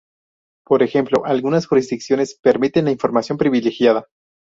Por ejemplo, algunas jurisdicciones permiten la información privilegiada.